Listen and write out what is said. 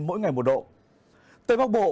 mỗi ngày một độ tây bắc bộ